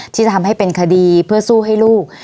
ที่จะทำให้เป็นคดีเพื่อสู้ให้ลูก